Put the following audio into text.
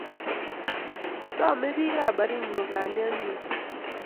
Chsamei biik ab Baringo kalyet mising